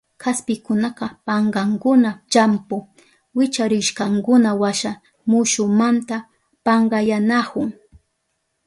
Kaspikunaka pankankuna llampu wicharishkankunawasha mushumanta pankayanahun.